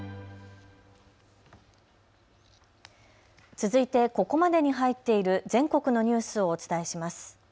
続いてここまでに入っている全国のニュースをお伝えします。